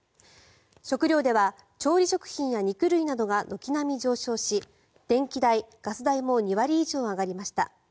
食料では調理食品や肉類などが軒並み上昇し電気代、ガス代も２割以上上がりました。